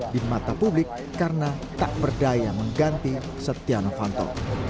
di mata publik karena tak berdaya mengganti setia novanto